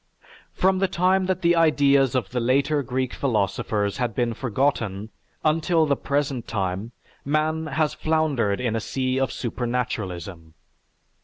From the time that the ideas of the later Greek philosophers had been forgotten until the present time, man has floundered in a sea of supernaturalism.